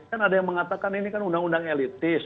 kan ada yang mengatakan ini kan undang undang elitis